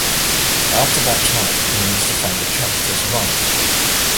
After that time he needed to find a job to survive.